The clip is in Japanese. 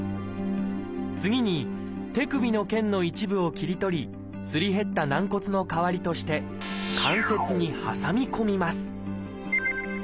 次に手首の腱の一部を切り取りすり減った軟骨の代わりとして関節に挟み込みます。